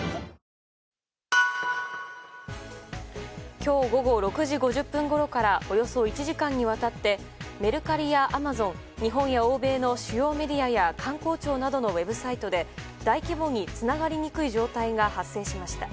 今日午後６時５０分ごろからおよそ１時間にわたってメルカリやアマゾン日本や欧米の主要メディアや官公庁などのウェブサイトで大規模につながりにくい状態が発生しました。